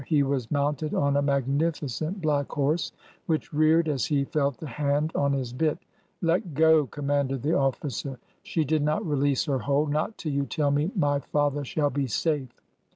He was mounted on a magnificent black horse, which reared as he felt the hand on his bit. Let go !" commanded the officer. She did not release her hold. " Not till you tell me my father shall be safe